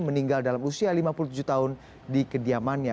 meninggal dalam usia lima puluh tujuh tahun di kediamannya